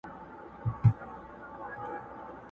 ما په سوال یاري اخیستې اوس به دړي وړي شینه٫